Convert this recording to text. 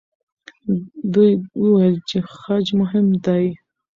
دوی وویل چې خج مهم دی.